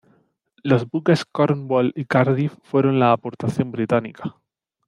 Los buques "Cornwall" y "Cardiff" fueron la aportación británica.